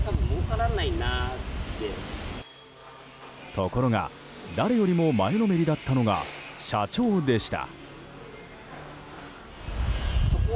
ところが誰よりも前のめりだったのが社長でした。